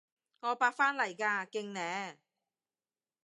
我八返嚟㗎，勁呢？